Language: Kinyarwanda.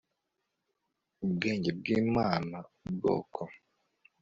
ubwenge bw imana ubwoko